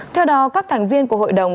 theo đó các thành viên của hội đồng